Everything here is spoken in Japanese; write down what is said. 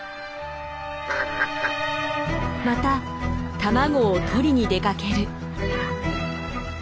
また卵を取りに出かける。